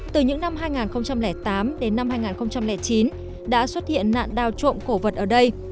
từ những năm hai nghìn tám đến năm hai nghìn chín đã xuất hiện nạn đào trộm cổ vật ở đây